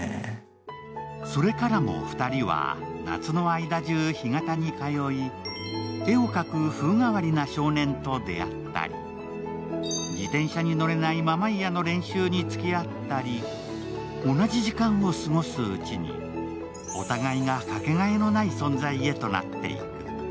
それからも２人は夏の間中、干潟に通い絵を描く風変わりな少年と出会ったり、自転車に乗れないママイヤの練習に付き合ったり、同じ時間を過ごすうちに、お互いがかけがえのない存在へとなっていく。